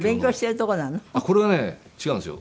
これはね違うんですよ。